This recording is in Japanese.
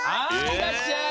いらっしゃい！